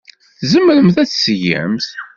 Tzemremt ad t-tgemt.